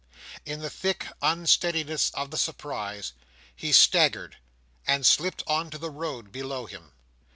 In the quick unsteadiness of the surprise, he staggered, and slipped on to the road below him.